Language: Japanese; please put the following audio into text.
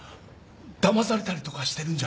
だまされたりとかしてるんじゃ。